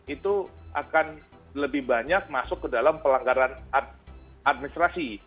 itu akan lebih banyak masuk ke dalam pelanggaran administrasi